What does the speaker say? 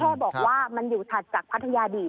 แค่บอกว่ามันอยู่ถัดจากพัทยาบีต